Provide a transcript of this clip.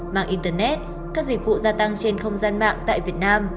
mạng internet các dịch vụ gia tăng trên không gian mạng tại việt nam